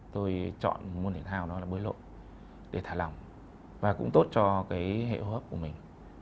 tôi chọn một môn thể thao đó là bơi lội để thả lỏng và cũng tốt cho cái hệ hợp của mình